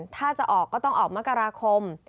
ถ้าจะออกก็ต้องออกมกราคม